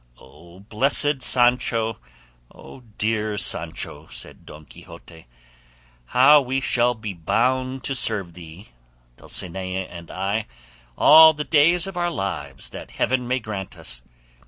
"O blessed Sancho! O dear Sancho!" said Don Quixote; "how we shall be bound to serve thee, Dulcinea and I, all the days of our lives that heaven may grant us!